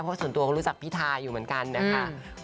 เพราะส่วนตัวเขารู้จักพิทาอยู่เหมือนกันนะคะ